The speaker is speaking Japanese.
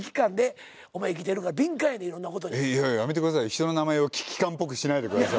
人の名前を危機感っぽくしないでください。